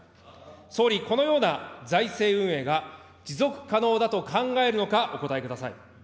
総理、このような財政運営が持続可能だと考えるのか、お答えください。